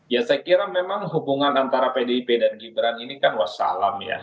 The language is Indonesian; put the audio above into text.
ya saya kira memang hubungan antara pdip dan gibran ini kan wassalam ya